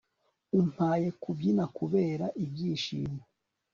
umpaye kubyina kubera ibyishimo